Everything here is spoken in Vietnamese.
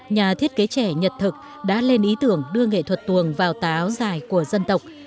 nhà thiết kế trẻ nhật thực đã lên ý tưởng đưa nghệ thuật tuồng vào tà áo dài của dân tộc